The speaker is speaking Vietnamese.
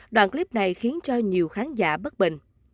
đoạn clip này khiến cho nhiều khán giả bất bình